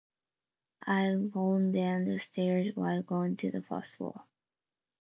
I have fallen down the stairs while going to the first floor.